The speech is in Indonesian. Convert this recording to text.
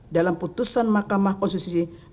dalam putusan makamah konsulsi jajak pendapat